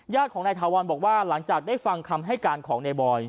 ของนายถาวรบอกว่าหลังจากได้ฟังคำให้การของในบอย